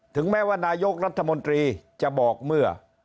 ถึงแม้ว่านายกรัฐมนตรีจะบอกเมื่อ